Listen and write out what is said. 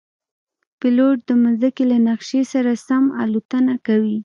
پیلوټ د مځکې له نقشې سره سم الوتنه کوي.